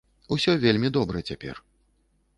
Усё вельмі добра цяпер.